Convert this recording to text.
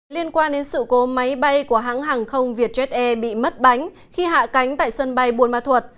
liên quan đến sự cố máy bay của hãng hàng không vietjet air bị mất bánh khi hạ cánh tại sân bay buôn ma thuật